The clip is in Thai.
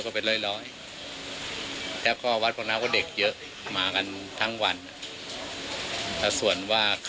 บวชภาครูร้อนไม่มีแน่นอน